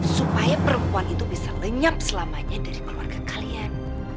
supaya perempuan itu bisa lenyap selamanya dari keluarga kalian